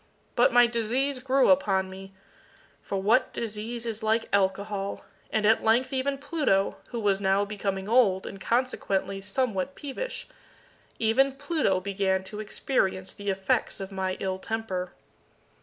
But my disease grew upon me for what disease is like Alcohol! and at length even Pluto, who was now becoming old, and consequently somewhat peevish even Pluto began to experience the effects of my ill temper.